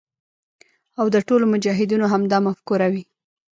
او د ټولو مجاهدینو همدا مفکوره وي.